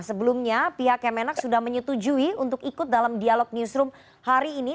sebelumnya pihak kemenak sudah menyetujui untuk ikut dalam dialog newsroom hari ini